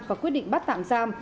và quyết định bắt tạm giam